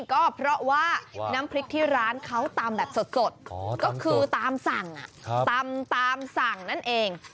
ก็เพราะว่าน้ำพริกที่ร้านเขาตำแบบสดก็คือตามสั่งตำตามสั่งนั่นเอง